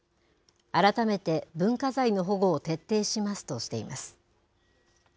改めて文化財の保護を徹底しますとしています。